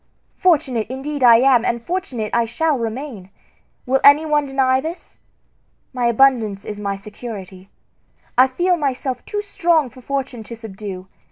Fortunate indeed am I, and fortunate I shall remain! Will any one deny this? My abundance is my security. I feel myself too strong for Fortune to subdue.